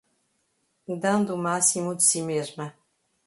Dando o máximo de si mesma